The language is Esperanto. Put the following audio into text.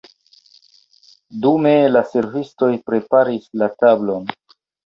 Dume la servistoj preparis la tablon.